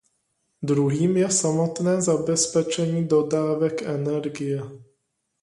Druhým je samotné zabezpečení dodávek energie.